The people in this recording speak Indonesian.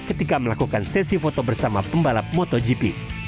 jokowi juga sudah berusaha untuk melakukan sesi foto bersama pembalap motogp